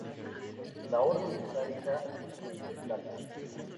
La orden está hecha de plata.